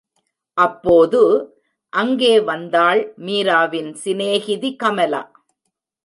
அப்போது, அங்கே வந்தாள் மீராவின் சிநேகிதி கமலா.